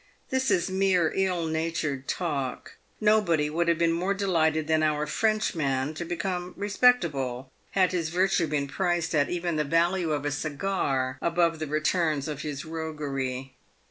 This is mere ill natured talk. Nobody would have been more delighted than our Frenchman to become respectable, had his virtue been priced at even the value of a cigar above the returns of his roguery.